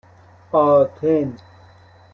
آتن